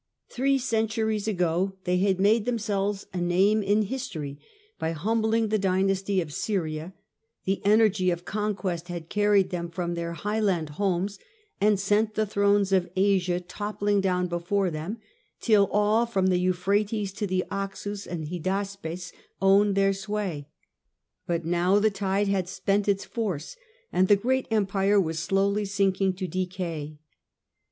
Three cen turies ago they had made themselves a name in his tory by humbling the dynasty of Syria ; the energy of conquest had carried them from their highland homes and sent the thrones of Asia toppling down whose before them, till all from the Euphrates to the ^ 1 T T 1 If. , was then m Oxus and Hydaspes owned their sway ; but its decay. now the tide had spent its force and the great empire was slowly sinking to decay.